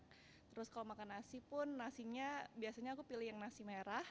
terus kalau makan nasi pun nasinya biasanya aku pilih yang nasi merah